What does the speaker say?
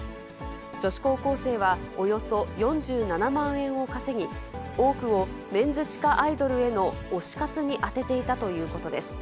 女子高校生はおよそ４７万円を稼ぎ、多くをメンズ地下アイドルへの推し活に充てていたということです。